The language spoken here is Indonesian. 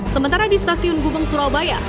sementara di stasiun gubeng surabaya